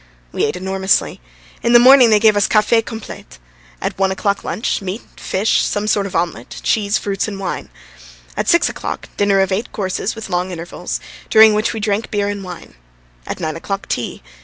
We ate enormously. In the morning they gave us café complet; at one o'clock lunch: meat, fish, some sort of omelette, cheese, fruits, and wine. At six o'clock dinner of eight courses with long intervals, during which we drank beer and wine. At nine o'clock tea.